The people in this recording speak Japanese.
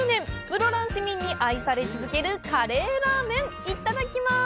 室蘭市民に愛され続けるカレーラーメンいただきます！